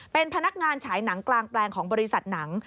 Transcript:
เป็นพนักงานฉายหนังกลางแปลงของบริษัทหนัง